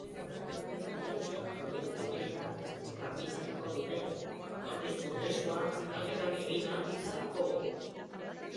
Lege-proiektu gisa tramitatuko dute, jatorrizko testuan aldaketak egin ahal izateko.